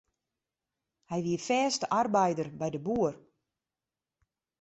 Hy wie fêste arbeider by de boer.